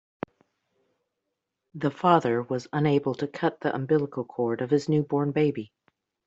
The father was unable to cut the umbilical cord of his newborn baby.